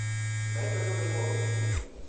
Metodo dei momenti